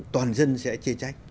toàn dân sẽ chê trách